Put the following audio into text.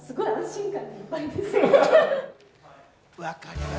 分かります。